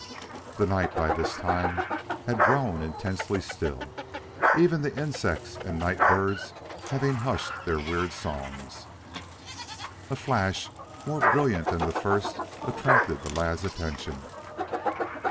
The night, by this time, had grown intensely still, even the insects and night birds having hushed their weird songs. A flash more brilliant than the first attracted the lad's attention.